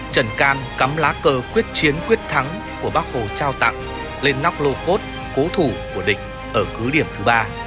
trần can cắm lá cờ quyết chiến quyết thắng của bác hồ trao tặng lên nóc lô cốt cố thủ của địch ở cứ điểm thứ ba